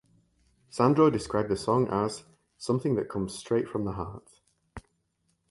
Sandro described the song as "something that comes straight from the heart".